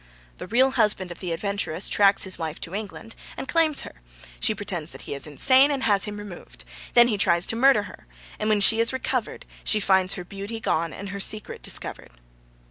The real husband of the adventuress tracks his wife to England, and claims her. She pretends that he is insane, and has him removed. Then he tries to murder her, and when she recovers, she finds her beauty gone and her secret discovered.